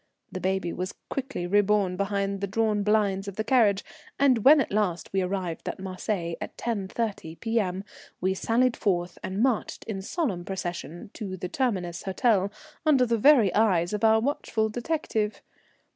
The baby was quickly reborn behind the drawn blinds of the carriage, and when at last we arrived at Marseilles at 10.30 P.M. we sallied forth and marched in solemn procession to the Terminus Hotel under the very eyes of our watchful detective.